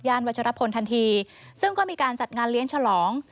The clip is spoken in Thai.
วัชรพลทันทีซึ่งก็มีการจัดงานเลี้ยงฉลอง